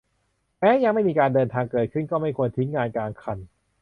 แม้ยังไม่มีการเดินทางเกิดขึ้นก็ไม่ควรทิ้งงานกลางคัน